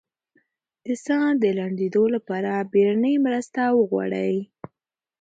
د ساه د لنډیدو لپاره بیړنۍ مرسته وغواړئ